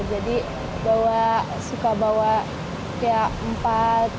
jadi bawa suka bawa kayak empat